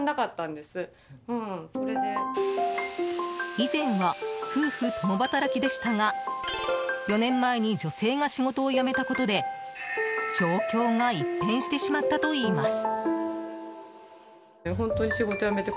以前は夫婦共働きでしたが４年前に女性が仕事を辞めたことで状況が一変してしまったといいます。